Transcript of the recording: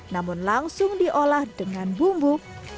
namun langsung diolah dengan bumbu